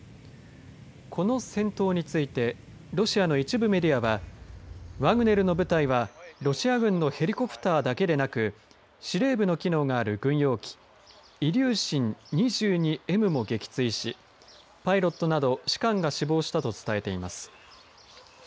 この戦闘についてロシアの一部メディアはワグネルの部隊はロシア軍のヘリコプターだけでなく司令部の機能がある軍用機イリューシン２２Ｍも撃墜しパイロットなど士官が死亡したと伝えています。